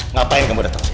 ngapain kamu datang sini